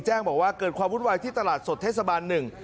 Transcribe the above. แจ้งบอกว่าเกิดความวุ่นวายที่ตลาดสดเทศบาลหนึ่ง